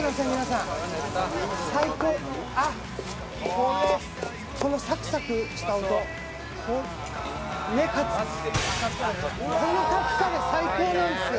これこのサクサクした音」「このカツカレー最高なんですよ」